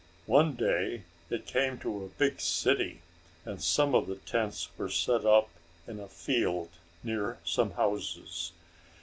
One day it came to a big city, and some of the tents were set up in a field, near some houses.